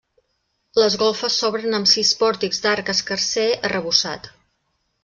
Les golfes s'obren amb sis pòrtics d'arc escarser arrebossat.